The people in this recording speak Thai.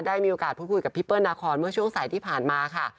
ได้มีโอกาสพูดคุยกับพี่เปิ้ลนาคอนเมื่อช่วงสายที่ผ่านมาค่ะ